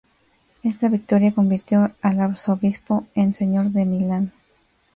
Esta victoria convirtió al arzobispo en Señor de Milán.